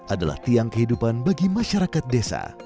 adalah tiang kehidupan bagi masyarakat desa